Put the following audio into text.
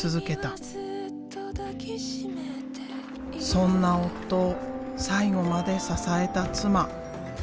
そんな夫を最後まで支えた妻。